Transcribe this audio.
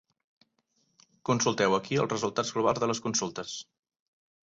Consulteu ací els resultats globals de les consultes.